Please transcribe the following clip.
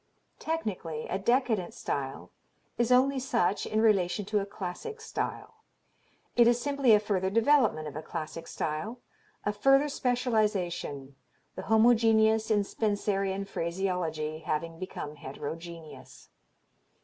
"Technically a decadent style is only such in relation to a classic style. It is simply a further development of a classic style, a further specialization, the homogeneous in Spencerian phraseology having become heterogeneous.